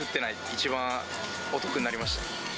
一番お得になりました。